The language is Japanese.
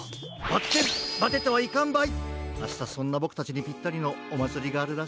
あしたそんなボクたちにぴったりのおまつりがあるらしい。